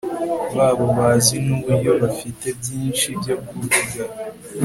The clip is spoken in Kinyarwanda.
babo bazi n'uburyo bafite byinshi byo kuvuga